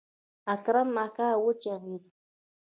اکرم اکا وچغېده.